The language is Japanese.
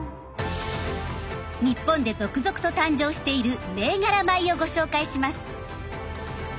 日本で続々と誕生している銘柄米をご紹介します。